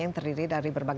yang terdiri dari bambang